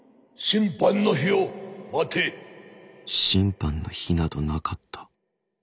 審判の日などなかった。